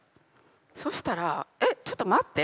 そうしたらえっちょっと待って？